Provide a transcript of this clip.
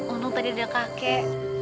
untung tadi ada kakek